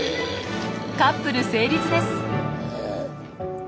カップル成立です！